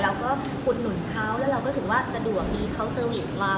อุดหนุนเขาแล้วเราก็ถือว่าสะดวกมีเขาเซอร์วิสมา